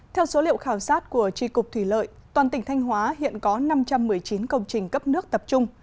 theo số liệu khảo sát của tri cục thủy lợi toàn tỉnh thanh hóa hiện có năm trăm một mươi chín công trình cấp nước tập trung